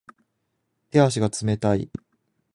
手足が冷たい